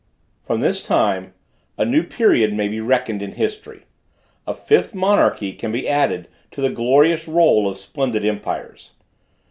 From this time a new period may be reckoned in history; a fifth monarchy can be added to the glorious roll of splendid empires.